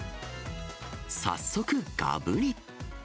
早速、がぶり。